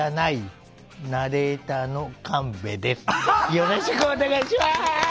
よろしくお願いします！